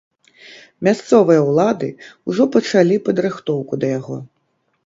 Мясцовыя ўлады ўжо пачалі падрыхтоўку да яго.